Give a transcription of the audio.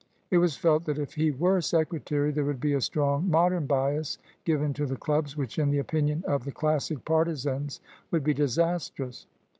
It was felt that if he were secretary, there would be a strong Modern bias given to the clubs, which in the opinion of the Classic partisans would be disastrous.